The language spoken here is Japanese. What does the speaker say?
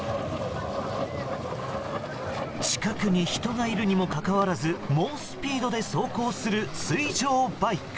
近くに人がいるにもかかわらず猛スピードで走行する水上バイク。